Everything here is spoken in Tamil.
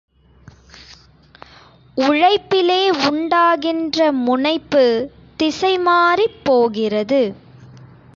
உழைப்பிலே உண்டாகின்ற முனைப்பு திசை மாறிப்போகிறது.